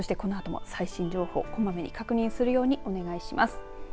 そしてこのあとも最新情報こまめに確認するようにお願いします。